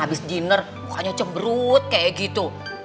habis dinner mukanya cemberut kayak gitu